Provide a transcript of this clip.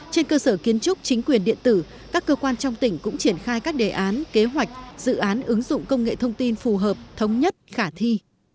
trên cơ sở kiến trúc chính quyền điện tử các cơ quan trong tỉnh cũng triển khai các đề án kế hoạch dự án ứng dụng công nghệ thông tin phù hợp thống nhất khả thi